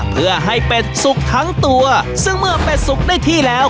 เพื่อให้เป็ดสุกทั้งตัวซึ่งเมื่อเป็ดสุกได้ที่แล้ว